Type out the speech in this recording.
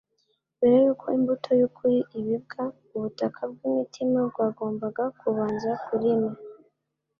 Mbere yuko imbuto y'ukuri ibibwa, ubutaka bw' imitima bwagombaga kubanza kurimwa.